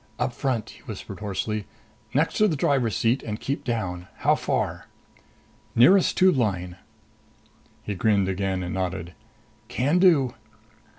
"Up front," he whispered hoarsely. "Next to the driver's seat and keep down. How far?" "Nearest tube line." He grinned again and nodded. "Can do."